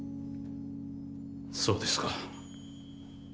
そうですか。